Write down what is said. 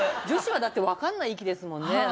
女子はだって分かんない域ですもんね